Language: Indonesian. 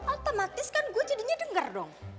otomatis kan gue jadinya dengar dong